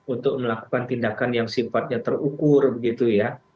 untuk melakukan tindakan yang sifatnya terukur begitu ya